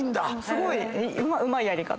すごい。